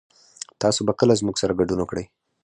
تاسو به کله موږ سره ګډون وکړئ